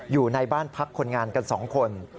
อยู่ในบ้านพักคนงานกัน๒คน